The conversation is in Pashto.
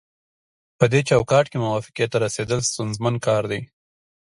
پدې چوکاټ کې موافقې ته رسیدل ستونزمن کار دی